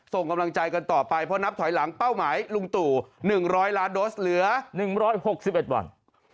ส่งกำลังใจกันต่อไปเพราะนับถอยหลังเป้าหมายลุงตู่๑๐๐ล้านโดสเหลือ๑๖๑วัน